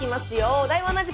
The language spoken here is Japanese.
お題は同じく。